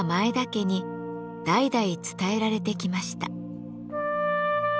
家に代々伝えられてきました。